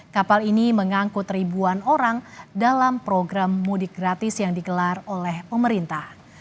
kapal ini mengangkut ribuan orang dalam program mudik gratis yang digelar oleh pemerintah